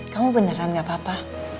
kamu beneran gak apa apa